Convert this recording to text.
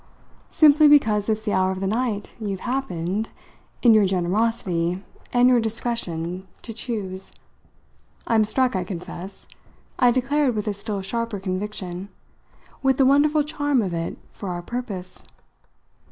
"Simply because it's the hour of the night you've happened, in your generosity and your discretion, to choose. I'm struck, I confess," I declared with a still sharper conviction, "with the wonderful charm of it for our purpose."